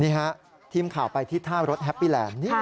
นี่ฮะทีมข่าวไปที่ท่ารถแฮปปี้แลนด์